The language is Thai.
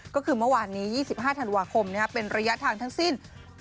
ก็คือเมื่อวานนี้๒๕ธันวาคมเป็นระยะทางทั้งสิ้น